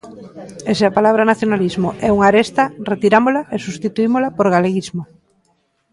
E se a palabra nacionalismo é unha aresta, retirámola e substituímola por galeguismo.